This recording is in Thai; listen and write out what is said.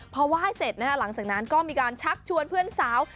พอไหว้เสร็จหลังจากนั้นก็มีการชักชวนเพื่อนสาว